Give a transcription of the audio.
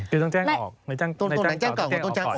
คือต้องแจ้งออกนายจ้างเก่าก็ต้องแจ้งออกก่อน